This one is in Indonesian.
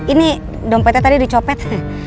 ini dompetnya tadi dicopet